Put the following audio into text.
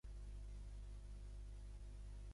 Una dona sosté un cartell groc que diu "abraçades gratis".